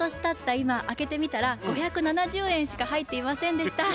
今開けてみたら５７０円しか入っていませんでした。